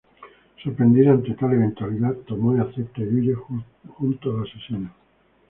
Sorprendida ante tal eventualidad, Tomoe acepta y huye junto al asesino.